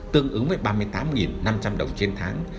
tương ứng với ba mươi tám năm trăm linh đồng trên tháng